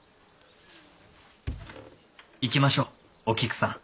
行きましょうお菊さん。